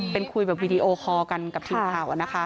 เป็นคุยแบบวีดีโอคอลกันกับทีมข่าวนะคะ